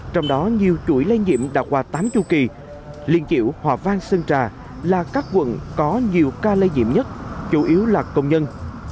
trong đó nhiều chuỗi lây nhiễm đã qua tám chu kỳ liên kiểu hòa vang sơn trà là các quận có nhiều ca lây nhiễm nhất chủ yếu là công nhân